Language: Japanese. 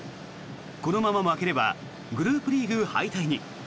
このまま負ければグループリーグ敗退に。